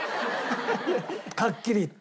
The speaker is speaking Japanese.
はっきり言って。